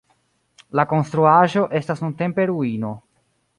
La konstruaĵo estas nuntempe ruino.